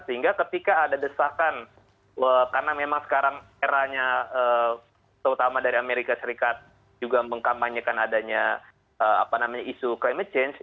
sehingga ketika ada desakan karena memang sekarang eranya terutama dari amerika serikat juga mengkampanyekan adanya isu climate change